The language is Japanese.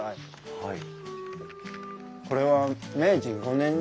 はい。